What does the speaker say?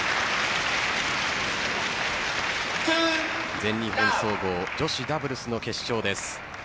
全日本総合女子ダブルスの決勝です。